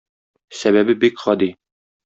Сәбәбе бик гади.